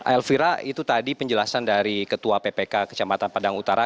elvira itu tadi penjelasan dari ketua ppk kecamatan padang utara